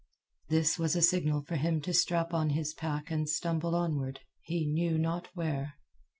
This was a signal for him to strap on his pack and stumble onward, he knew not where.